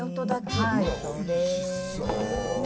おいしそう。